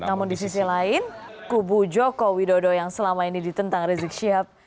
namun di sisi lain kubu jokowi dodo yang selama ini ditentang rizik syihab